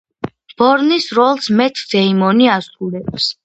ბორნის როლს მეთ დეიმონი ასრულებს.